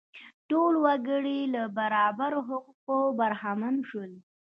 ټول وګړي له برابرو حقونو برخمن شول.